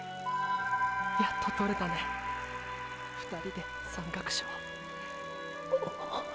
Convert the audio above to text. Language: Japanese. やっと獲れたね「２人」で「山岳賞」。ーー！！